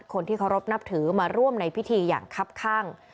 คนที่เคารพนับถือมาร่วมในพิธีอย่างครับข้าง